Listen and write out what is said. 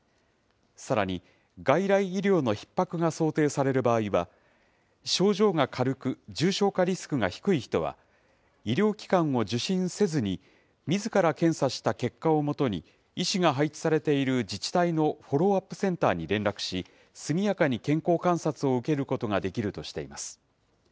さらに、外来医療のひっ迫が想定される場合は、症状が軽く重症化リスクが低い人は、医療機関を受診せずに、みずから検査した結果をもとに医師が配置されている自治体のフォローアップセンターに連絡し、速やかに健康観察を受けることができるとしています。